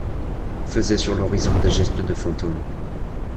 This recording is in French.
Faisaient sur l’horizon des gestes de fantôme